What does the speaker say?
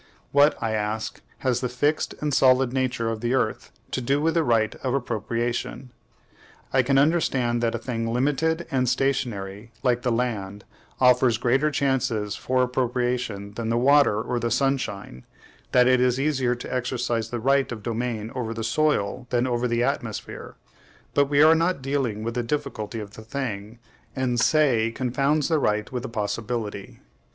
What, I ask, has the fixed and solid nature of the earth to do with the right of appropriation? I can understand that a thing LIMITED and STATIONARY, like the land, offers greater chances for appropriation than the water or the sunshine; that it is easier to exercise the right of domain over the soil than over the atmosphere: but we are not dealing with the difficulty of the thing, and Say confounds the right with the possibility.